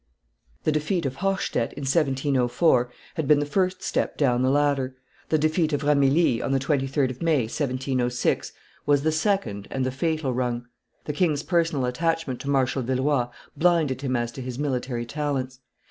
The defeat of Hochstett, in 1704, had been the first step down the ladder; the defeat of Ramillies, on the 23d of May, 1706, was the second and the fatal rung. The king's personal attachment to Marshal Villeroi blinded him as to his military talents.